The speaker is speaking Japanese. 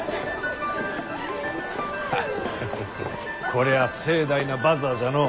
こりゃ盛大なバザーじゃのう。